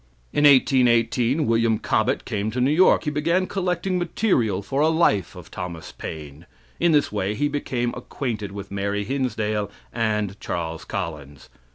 In 1818 William Cobbett came to New York. He began collecting material for a life of Thomas Paine. In this way he became acquainted with Mary Hinsdale and Charles Collins.